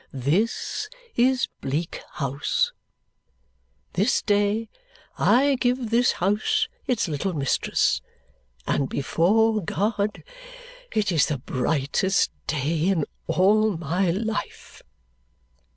This is Bleak House. This day I give this house its little mistress; and before God, it is the brightest day in all my life!"